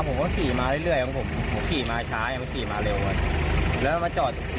ผมก็ขี่มาเรื่อยเรื่อยของผมขี่มาช้าขี่มาเร็วกว่าแล้วมันมาจอด